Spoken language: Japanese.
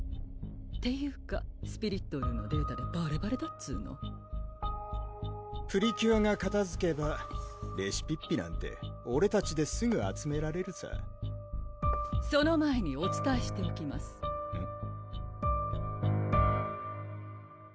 っていうかスピリットルーのデータでばればれだっつぅのプリキュアがかたづけばレシピッピなんてオレたちですぐ集められるさその前におつたえしておきますうん？